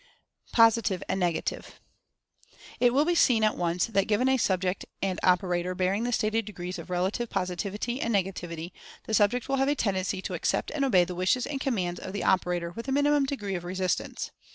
POSITIVE AND NEGATIVE. It will be seen at once that given a subject and operator bearing the stated degrees of relative Posi tivity and Negativity, the subject will have a tendency to accept and obey the wishes and commands of the operator with a minimum degree of resistance.